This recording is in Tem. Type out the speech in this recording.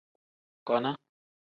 Kona.